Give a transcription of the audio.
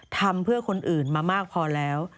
ทำเพื่อคนอื่นมามากพอแล้ว